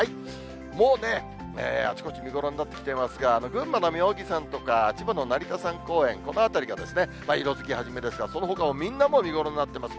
もうね、あちこち見頃になってきてますが、群馬の妙義山とか千葉の成田山公園、この辺りが色づき始めですが、そのほかもみんな見頃になってます。